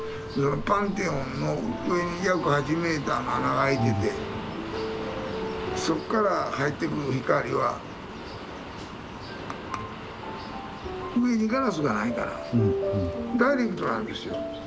パンテオンの上に約８メーターの穴が開いててそっから入ってくる光は上にガラスがないからダイレクトなんですよ。